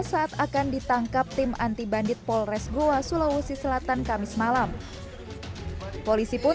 saat akan ditangkap tim anti bandit polres goa sulawesi selatan kamis malam polisi pun